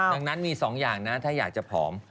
ดังนั้นมี๒อย่างนะถ้าอยากจะผอม